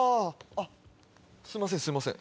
すいませんすいません。